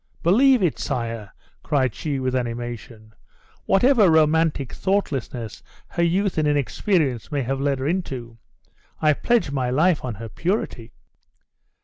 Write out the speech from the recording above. "Believe it, sire!" cried she with animation; "whatever romantic thoughtlessness her youth and inexperience may have led her into, I pledge my life on her purity."